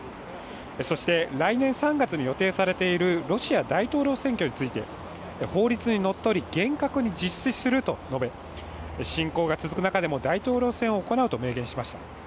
そして来年３月に予定されているロシア大統領選挙について法律にのっとり、厳格に実施すると述べ侵攻が続く中でも大統領選を行うと明言しました。